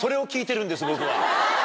僕は。